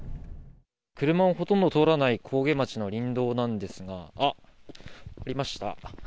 車もほとんど通らない上毛町の林道なんですが、あっ、ありました。